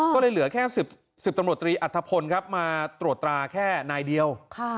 ก็เลยเหลือแค่๑๐ตำรวจตรีอัฐพลครับมาตรวจตราแค่นายเดียว